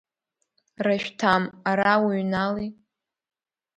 Рашәҭам, ара уҩнали!